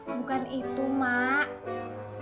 bukan itu mak